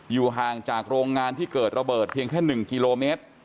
ห่างจากโรงงานที่เกิดระเบิดเพียงแค่๑กิโลเมตร